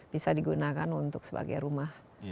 bisa digunakan untuk sebagai rumah